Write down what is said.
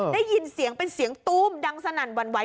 ได้ยินเสียงเป็นเสียงตู้มดังสนั่นหวั่นไหว